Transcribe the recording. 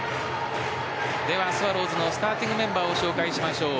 ではスワローズのスターティングメンバーを紹介しましょう。